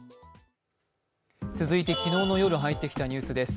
続いて昨日の夜、入ってきたニュースです。